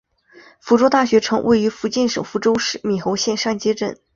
福州大学城位于福建省福州市闽侯县上街镇。